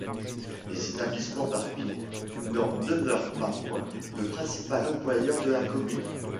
Les Établissements Barbier n'en demeurent pas moins le principal employeur de la commune.